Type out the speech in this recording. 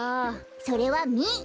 それはミ！